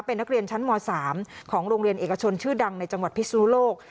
เป็นนักเรียนชั้นม๓ของโรงเรียนเอกชนชื่อดังในจังหวัดพิศนุโลก